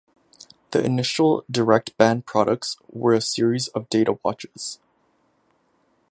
The initial DirectBand products were a series of data watches.